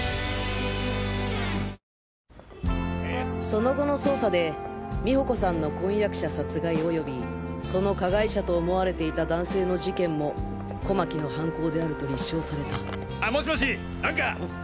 その後の捜査で美穂子さんの婚約者殺害及びその加害者と思われていた男性の事件も小牧の犯行であると立証されたあもしもし蘭か？